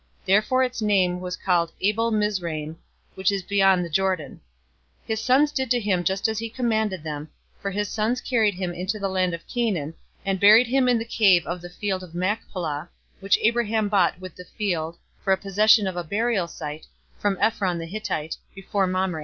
Therefore, the name of it was called Abel Mizraim, which is beyond the Jordan. 050:012 His sons did to him just as he commanded them, 050:013 for his sons carried him into the land of Canaan, and buried him in the cave of the field of Machpelah, which Abraham bought with the field, for a possession of a burial site, from Ephron the Hittite, before Mamre.